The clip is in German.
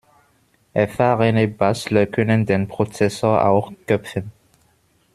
Erfahrene Bastler können den Prozessor auch köpfen.